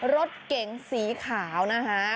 รถเก๋งสีขาวนะคะ